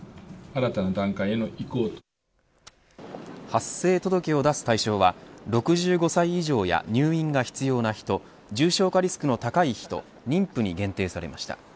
発生届を出す対象は６５歳以上や入院が必要な人重症化リスクの高い人妊婦に限定されました。